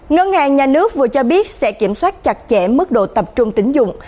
ngân hàng nhà nước vừa cho biết sẽ kiểm soát chặt chẽ mức độ tập trung tính dụng